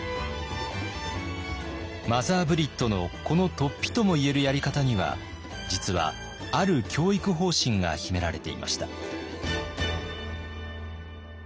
マザー・ブリットのこのとっぴとも言えるやり方には実はある教育方針が秘められていました。